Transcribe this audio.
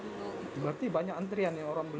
berarti banyak antrian yang orang beli ya